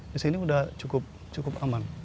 disini sudah cukup aman